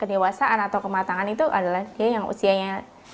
kelewasaan atau kematangan itu adalah dia yang usianya lima belas enam belas